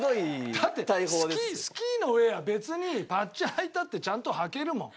だってスキーのウェア別にパッチはいたってちゃんとはけるもん。